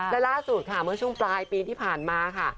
และล่าสุดค่ะเมื่อช่วงปลายปีที่ผ่านมาค่ะ